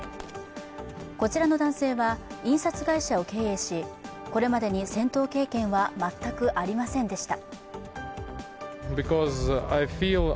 こちらの男性は印刷会社を経営し、これまでに戦闘経験は全くありませんでした。